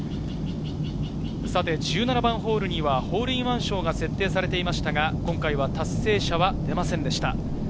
１７番ホールにはホールインワン賞が設定されていましたが、今回は達成者は出ませんでした。